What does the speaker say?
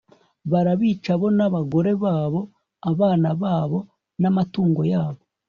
barabica, bo n'abagore babo, abana babo n'amatungo yabo